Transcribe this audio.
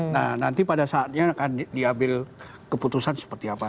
nah nanti pada saatnya akan diambil keputusan seperti apa